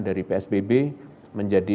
dari psbb menjadi